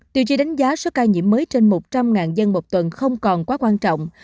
tiêu chí đánh giá số ca nhiễm mới trên một trăm linh dân một tuần không còn quá quan trọng